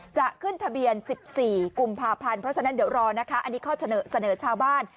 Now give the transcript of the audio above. จะขึ้นทะเบียน๑๔กุมภาพันธ์เพราะฉะนั้นเดี๋ยวรอนะคะอันนี้ข้อเสนอชาวบ้าน